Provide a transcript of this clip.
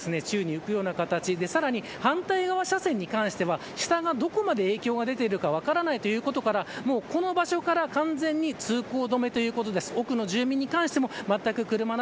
ガードレールも宙に浮くような形で反対側車線に関しては下がどこまで影響が出ているか分からないことからこの場所から完全に通行止めになっています。